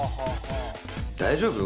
大丈夫？